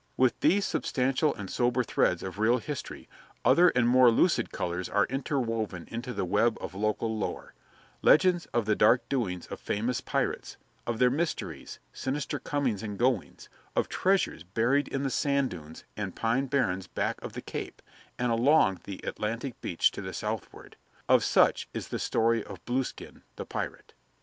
With these substantial and sober threads of real history, other and more lurid colors are interwoven into the web of local lore legends of the dark doings of famous pirates, of their mysterious, sinister comings and goings, of treasures buried in the sand dunes and pine barrens back of the cape and along the Atlantic beach to the southward. Of such is the story of Blueskin, the pirate.